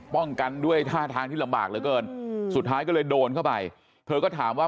กันด้วยท่าทางที่ลำบากเหลือเกินสุดท้ายก็เลยโดนเข้าไปเธอก็ถามว่า